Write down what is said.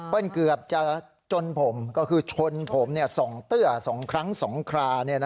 เกือบจะจนผมก็คือชนผม๒เตื้อ๒ครั้ง๒ครา